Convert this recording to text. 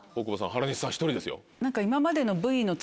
原西さん１人ですよ。